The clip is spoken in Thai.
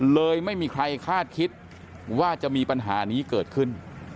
เลยไม่มีใครคาดคิดว่าจะมีปัญหานี้เกิดขึ้น